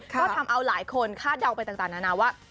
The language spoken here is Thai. ก็ทำเอาหลายคนคาดเดาไปต่างนานาว่า